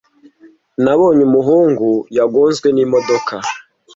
Nabonye umuhungu yagonzwe n'imodoka.